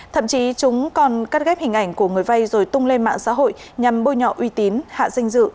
thậm chí chúng còn cắt ghép hình ảnh của người vay rồi tung lên mạng xã hội nhằm bôi nhọ uy tín hạ danh dự